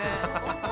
ハハハ。